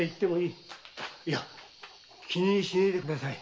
いや気にしねえでください。